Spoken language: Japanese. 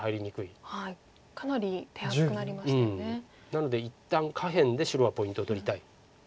なので一旦下辺で白はポイントを取りたい。